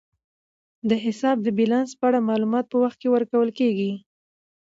د حساب د بیلانس په اړه معلومات په وخت ورکول کیږي.